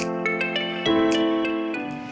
terima kasih banyak